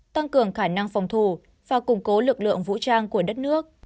tăng cường khả năng phòng thủ và củng cố lực lượng vũ trang của đất nước